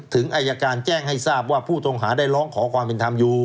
อายการแจ้งให้ทราบว่าผู้ต้องหาได้ร้องขอความเป็นธรรมอยู่